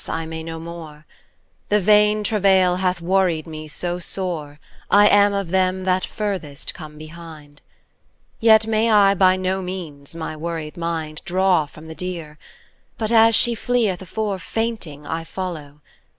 I may no more: [alas] The vain travail hath worried me so sore, I am of them that farthest cometh behind; Yet may I by no means my wearied mind Draw from the deer: but as she fleeth afore, Fainting I follow.